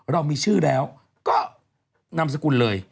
เรามีชื่อแล้วก็นามสกุลเลย